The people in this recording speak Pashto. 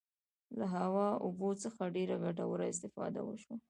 له هوا او اوبو څخه ډیره ګټوره استفاده وشوه.